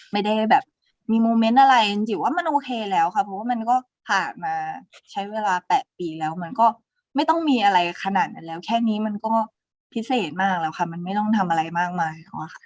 ไม่ได้แบบมีโมเมนต์อะไรจิ๋วว่ามันโอเคแล้วค่ะเพราะว่ามันก็ผ่านมาใช้เวลา๘ปีแล้วมันก็ไม่ต้องมีอะไรขนาดนั้นแล้วแค่นี้มันก็พิเศษมากแล้วค่ะมันไม่ต้องทำอะไรมากมายแล้วค่ะ